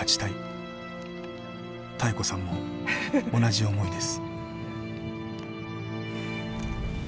妙子さんも同じ思いです。